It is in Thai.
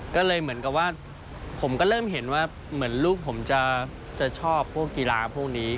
ก็เลยเหมือนกับว่าผมก็เริ่มเห็นว่าเหมือนลูกผมจะชอบพวกกีฬาพวกนี้